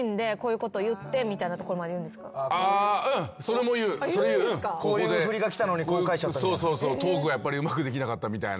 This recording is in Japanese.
こういう振りが来たのにこう返しちゃったみたいな？